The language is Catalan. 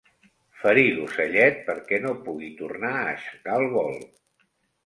Ferir l'ocellet perquè no pugui tornar a aixecar el vol.